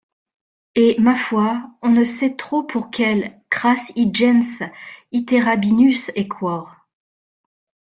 Et, ma foi, on ne sait trop pour quelle « cras ingens iterabinus æquor.